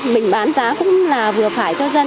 mình bán giá cũng là vừa phải cho dân